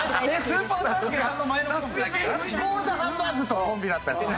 ゴールドハンバーグとコンビだったんですね。